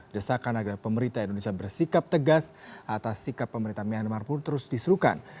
desakan agar pemerintah indonesia bersikap tegas atas sikap pemerintah myanmar pun terus diserukan